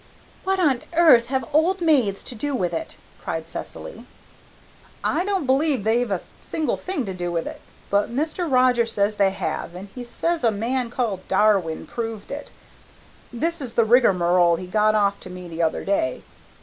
"What on earth have old maids to do with it?" cried Cecily. "I don't believe they've a single thing to do with it, but Mr. Roger says they have, and he says a man called Darwin proved it. This is the rigmarole he got off to me the other day.